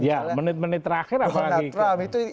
ya menit menit terakhir apalagi